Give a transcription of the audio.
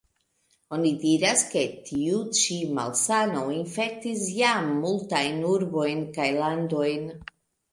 Oni diras, ke tiu ĉi malsano infektis jam multajn urbojn kaj landojn.